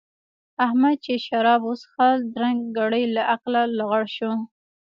احمد چې شراب وڅښل؛ درنګ ګړۍ له عقله لغړ شو.